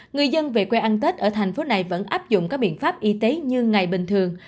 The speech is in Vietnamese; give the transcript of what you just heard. người dân về quê ăn tết ở thành phố này vẫn áp dụng các biện pháp y tế như ngày bình thường